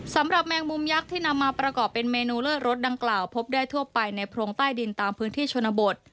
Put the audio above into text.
แมงมุมยักษ์ที่นำมาประกอบเป็นเมนูเลิศรสดังกล่าวพบได้ทั่วไปในโพรงใต้ดินตามพื้นที่ชนบท